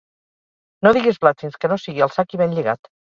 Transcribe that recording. No diguis blat fins que no sigui al sac i ben lligat.